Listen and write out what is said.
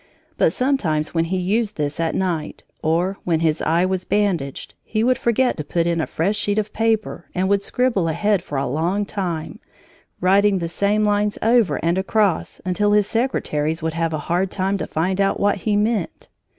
But sometimes when he used this at night, or when his eye was bandaged, he would forget to put in a fresh sheet of paper and would scribble ahead for a long time, writing the same lines over and across until his secretaries would have a hard time to find out what he meant.